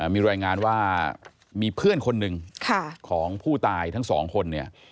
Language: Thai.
มีรายงานว่ามีเพื่อนคนหนึ่งของผู้ตายทั้งสองคนเนี่ย